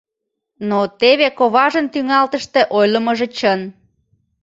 Но теве коважын тӱҥалтыште ойлымыжо чын.